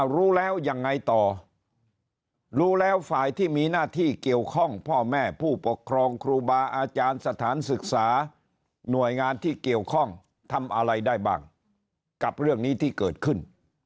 รู้แล้วยังไงต่อรู้แล้วฝ่ายที่มีหน้าที่เกี่ยวข้องพ่อแม่ผู้ปกครองครูบาอาจารย์สถานศึกษาหน่วยงานที่เกี่ยวข้องทำอะไรได้บ้างกับเรื่องนี้ที่เกิดขึ้น